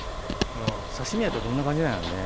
刺身やったらどんな感じなんやろね。